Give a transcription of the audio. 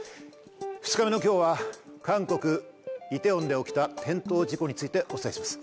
２日目の今日は韓国・梨泰院で起きた転倒事故についてお伝えします。